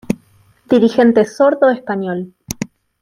Dirigente sordo español.